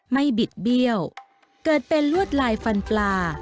บิดเบี้ยวเกิดเป็นลวดลายฟันปลา